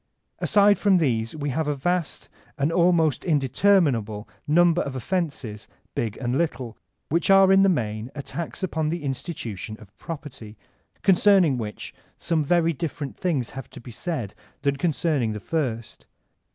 Aside from these we have a vast, an almost interminable number of offenses big and little, which are in the main attacks upon Uie institution of property, concerning which some very different things have to be said than concerning the first.